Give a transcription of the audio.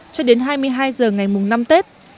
cho đến hai mươi hai h ngày mùng năm tết